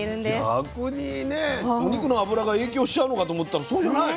逆にねお肉の脂が影響しちゃうのかと思ったらそうじゃないの。